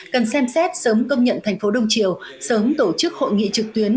cần xem xét sớm công nhận thành phố đông triều sớm tổ chức hội nghị trực tuyến